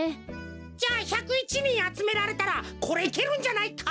じゃ１０１にんあつめられたらこれいけるんじゃないか？